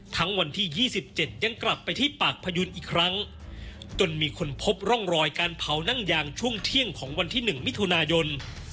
วันที่๒๗ยังกลับไปที่ปากพยุนอีกครั้งจนมีคนพบร่องรอยการเผานั่งยางช่วงเที่ยงของวันที่๑มิถุนายน